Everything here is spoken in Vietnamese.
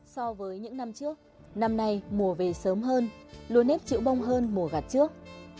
so với những năm trước năm nay mùa về sớm hơn lúa nếp chữ bông hơn mùa gạt trước